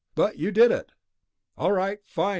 But you did it. All right, fine.